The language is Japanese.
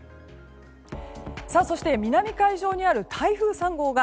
そして、南海上にある台風３号が